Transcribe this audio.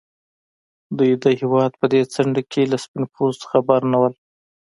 دوی د هېواد په دې څنډه کې له سپين پوستو خبر نه وو.